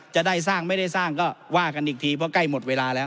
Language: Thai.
จะได้สร้างไม่ได้สร้างก็ว่ากันอีกทีเพราะใกล้หมดเวลาแล้ว